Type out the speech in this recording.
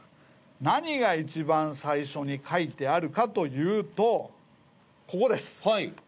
何が一番最初に書いてあるかというとここです。